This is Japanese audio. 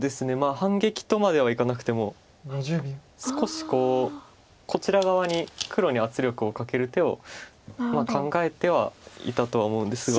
反撃とまではいかなくても少しこうこちら側に黒に圧力をかける手を考えてはいたとは思うんですが。